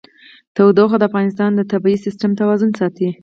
تودوخه د افغانستان د طبعي سیسټم توازن ساتي.